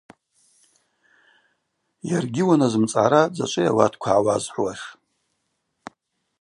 Йаргьи уаназымцӏгӏара дзачӏвыйа ауатква гӏауазхӏвуаш.